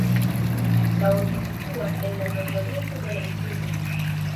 La urbo situas en la nordoriento de la insulo.